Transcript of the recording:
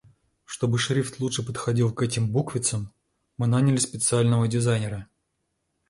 Чтобы шрифт лучше подходил к этим буквицам мы наняли специального дизайнера.